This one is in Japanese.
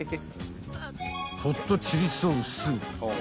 ［ホットチリソース］